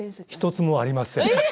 １つもありません。